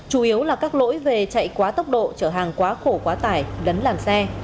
chủ yếu là các lỗi về chạy quá tốc độ chở hàng quá khổ quá tải lấn làn xe